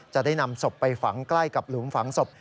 จะได้นำศพไปฝังใกล้กับหลุมฝังศพ